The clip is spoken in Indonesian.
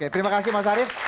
terima kasih mas arief